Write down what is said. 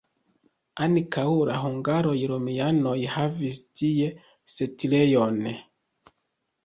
Antaŭ la hungaroj romianoj havis tie setlejon.